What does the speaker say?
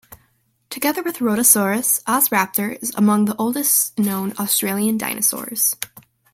Together with "Rhoetosaurus", "Ozraptor" is among the oldest known Australian dinosaurs.